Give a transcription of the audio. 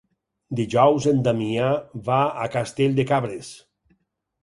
Dijous en Damià va a Castell de Cabres.